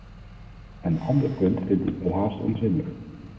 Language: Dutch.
Een ander punt vind ik welhaast onzinnig.